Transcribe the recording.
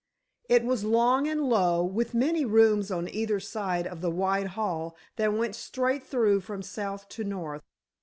It was long and low, with many rooms on either side of the wide hall that went straight through from south to north.